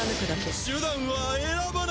手段は選ばない。